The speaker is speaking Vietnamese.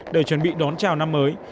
để chuẩn bị đón chào năm mới